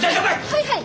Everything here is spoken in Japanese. はいはい。